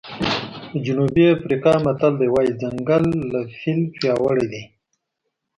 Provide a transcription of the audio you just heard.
د جنوبي افریقا متل وایي ځنګل له فیل پیاوړی دی.